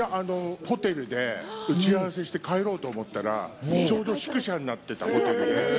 ホテルで打ち合わせして帰ろうと思ったら、ちょうど宿舎になってたホテルで。